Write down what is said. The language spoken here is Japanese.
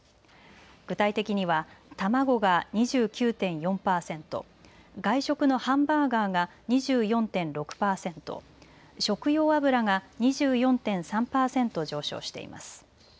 具体的には卵が２９．４％、外食のハンバーガーが２４．６％、食用油が２４．３％上昇しています。